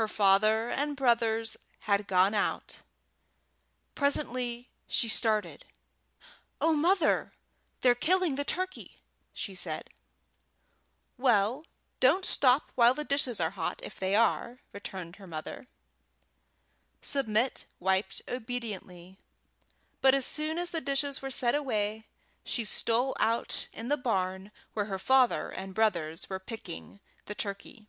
Her father and brothers had gone out; presently she started. "Oh, Mother, they're killing the turkey!" said she. "Well, don't stop while the dishes are hot, if they are," returned her mother. Submit wiped obediently, but as soon as the dishes were set away, she stole out in the barn where her father and brothers were picking the turkey.